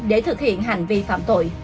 để thực hiện hành vi phạm tội